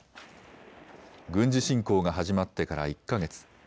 軍事侵攻が始まってから１か月。